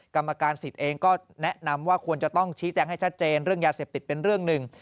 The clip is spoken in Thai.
กรรมการสิทธิ์เองก็แนะนำว่าควรจะต้องชี้แจงให้ชัดเจนเรื่องยาเสพติดเป็นเรื่องหนึ่ง